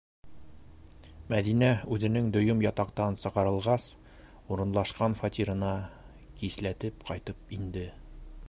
Мәҙинә үҙенең дөйөм ятаҡтан сығарылғас урынлашҡан фатирына кисләтеп ҡайтып инде.